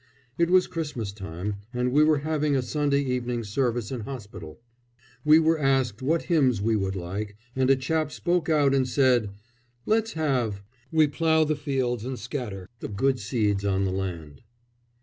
It was Christmas time, and we were having a Sunday evening service in hospital. We were asked what hymns we would like, and a chap spoke out and said, "Let's have 'We plough the fields and scatter The good seed on the land.